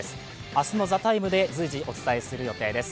明日の「ＴＨＥＴＩＭＥ，」で随時お伝えする予定です。